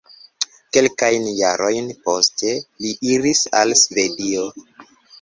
Kelkajn jarojn poste li iris al Svedio.